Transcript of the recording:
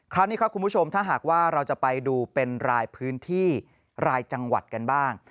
คราวนี้ครับคุณผู้ชมถ้าหากว่าเราจะไปดูเป็นรายพื้นที่รายจังหวัดกันบ้าง